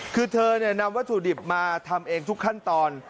คือเธอนำวัตถุดิบมาทำเองทุกขั้นตอน